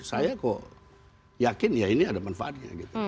saya kok yakin ya ini ada manfaatnya gitu